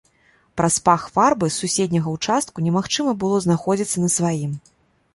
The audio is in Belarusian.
Праз пах фарбы з суседняга ўчастку немагчыма было знаходзіцца на сваім.